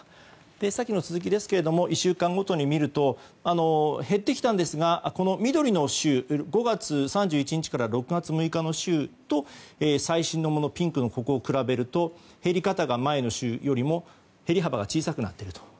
さっきの続きですけれども１週間ごとに見ると減ってきたんですが、緑の週５月３１日から６月６日の週と最新のピンクのところを比べると減り方が前の週よりも減り幅が小さくなっている。